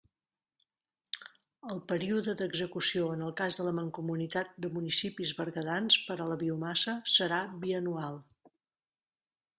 El període d'execució en el cas de la Mancomunitat de Municipis Berguedans per a la Biomassa, serà bianual.